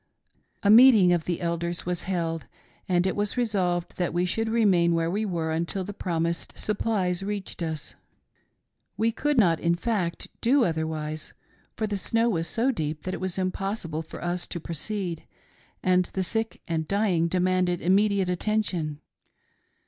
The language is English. A meeting of the leaders was held, and it was resolved that we should remain where we were until the promised supplies reached us. We could not, in fact, do otherwise, for the snow was so deep that it was impossible for us to proceed, and the sick and dying demanded immediate attention.